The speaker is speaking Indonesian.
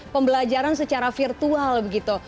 pembelajaran secara virtual begitu